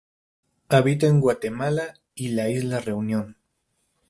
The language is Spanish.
Habita en Guatemala y la isla Reunión.